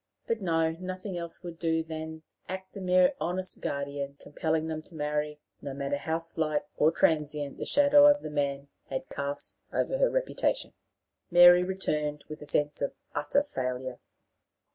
But no; nothing else would do than act the mere honest guardian, compelling them to marry, no matter how slight or transient the shadow the man had cast over her reputation! Mary returned with a sense of utter failure.